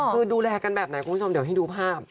คือดูแลกันแบบไหนคุณผู้ชมเดี๋ยวให้ดูภาพ